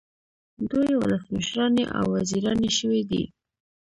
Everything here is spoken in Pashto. دوی ولسمشرانې او وزیرانې شوې دي.